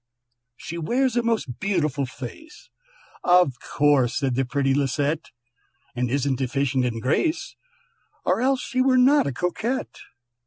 "She wears a most beautiful face," ("Of course!" said the pretty Lisette), "And isn't deficient in grace, Or else she were not a Coquette.